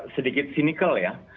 sedikit cynical ya